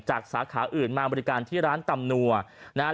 สาขาอื่นมาบริการที่ร้านตำนัวนะฮะ